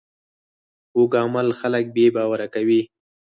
کوږ عمل خلک بې باوره کوي